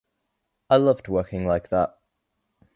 I loved working like that.